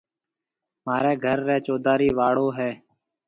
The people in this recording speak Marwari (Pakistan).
مهاريَ گهر ريَ چوڌارِي واݪو هيَ۔